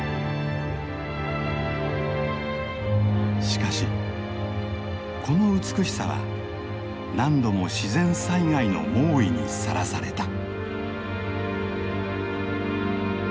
しかしこの美しさは何度も自然災害の猛威にさらされた。